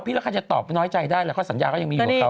แล้วใครจะตอบน้อยใจได้แหละเขาสัญญาก็ยังมีอยู่กับเขา